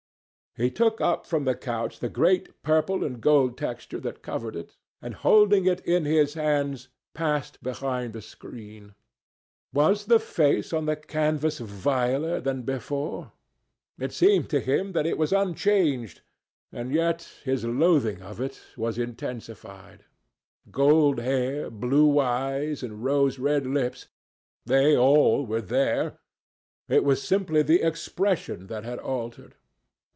He took up from the couch the great purple and gold texture that covered it, and, holding it in his hands, passed behind the screen. Was the face on the canvas viler than before? It seemed to him that it was unchanged, and yet his loathing of it was intensified. Gold hair, blue eyes, and rose red lips—they all were there. It was simply the expression that had altered.